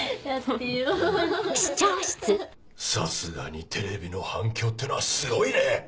さすがにテレビの反響ってのはすごいね！